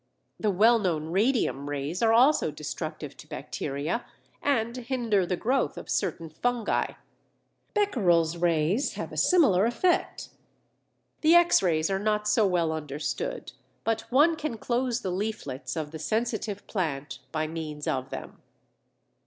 The well known radium rays are also destructive to bacteria, and hinder the growth of certain fungi (Becquerel's rays have a similar effect). The X rays are not so well understood, but one can close the leaflets of the Sensitive Plant by means of them.